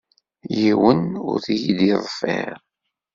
Yiwen ur yi-d-yeḍfir.